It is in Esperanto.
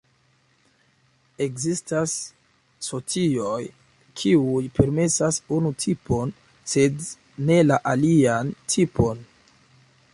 Ekzistas socioj, kiuj permesas unu tipon, sed ne la alian tipon.